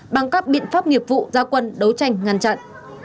bằng các biện pháp nghiệp vụ gia quân đấu tranh ngăn chặn